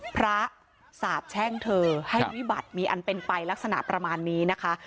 สาบแช่งเธอให้วิบัติมีอันเป็นไปลักษณะประมาณนี้นะคะ